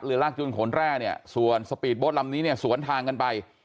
ลากจูนขนแร่เนี่ยส่วนสปีดโบ๊ทลำนี้เนี่ยสวนทางกันไป